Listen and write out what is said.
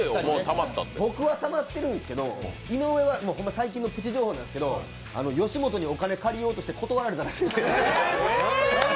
僕はたまってるんですけど、井上はプチ情報なんですけど吉本にお金借りようとして断られたらしいんで。